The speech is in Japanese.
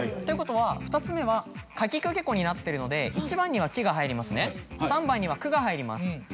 ということは２つ目は「かきくけこ」になってるので１番には「き」が入りますね３番には「く」が入ります。